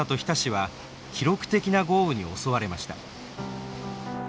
日田市は記録的な豪雨に襲われました。